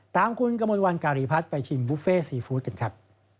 ตามคุณกระมวลวันการีพัฒน์ไปชิมบุฟเฟ่ซีฟู้ดกันครับ